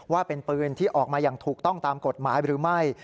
ว่าเป็นปืนที่ออกมาอย่างถูกต้องตามกฎหมายหรือไม่